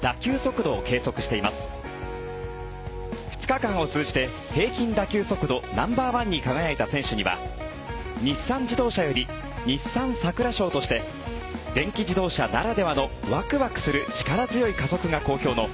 ２日間を通じて、平均打球速度ナンバー１に輝いた選手には日産自動車より日産サクラ賞として電気自動車ならではのワクワクする力強い加速が好評の